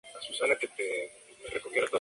Yamaguchi es un estudiante de primer año.